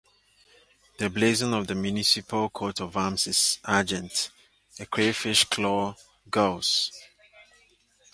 The blazon of the municipal coat of arms is Argent, a Crayfish-claw Gules.